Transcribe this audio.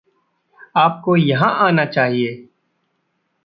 आपको यहाँ आना चाहिए।